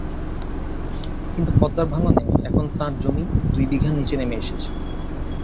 কিন্তু পদ্মার ভাঙনে এখন তাঁর জমি দুই বিঘার নিচে নেমে এসেছে।